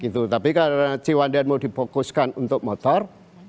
tapi karena cihwandan mau dipokuskan untuk motor